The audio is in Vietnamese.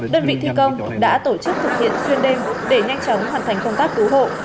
đơn vị thi công đã tổ chức thực hiện xuyên đêm để nhanh chóng hoàn thành công tác cứu hộ